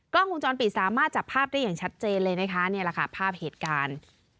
กล้องวงจรปิดสามารถจับภาพได้อย่างชัดเจนเลยนะคะนี่แหละค่ะภาพเหตุการณ์